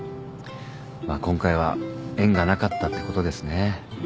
まあ今回は縁がなかったってことですね。